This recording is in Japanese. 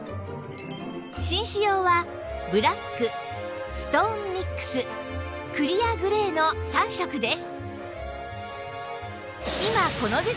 紳士用はブラックストーンミックスクリアグレーの３色です